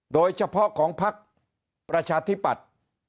โดยเฉพาะของพักประชาธิปัตย์